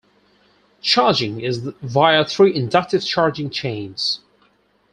Charging is via three inductive charging chains.